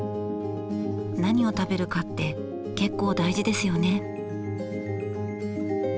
何を食べるかって結構大事ですよね。